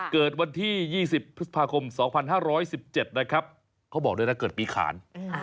เกิดวันที่๒๐พฤษภาคม๒๕๑๗นะครับเขาบอกด้วยนะเกิดปีขาน